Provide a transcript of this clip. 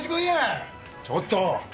ちょっと！